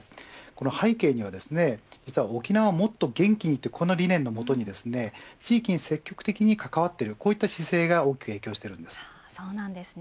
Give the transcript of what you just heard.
この背景には沖縄をもっと元気にという理念のもとに地域に積極的に関わっているこういった姿勢が大きく影響しています。